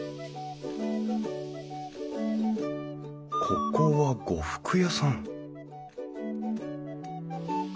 ここは呉服屋さん